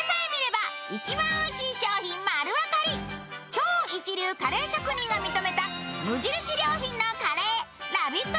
超一流カレー食品が認めた無印良品のカレーのラヴィット！